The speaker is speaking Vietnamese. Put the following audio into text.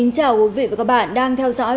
cảm ơn các bạn đã theo dõi